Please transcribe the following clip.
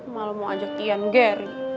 malah mau ajak tian gary